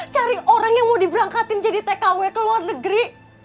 cari orang yang mau diberangkatin jadi tkw ke luar negeri